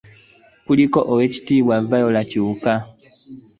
Kuliko Oweekitiibwa Viola Kiwuka